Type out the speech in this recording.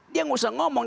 dia tidak usah ngomong